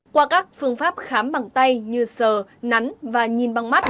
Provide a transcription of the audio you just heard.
qua các phương pháp khám bằng tay như sờ nắn và nhìn bằng mắt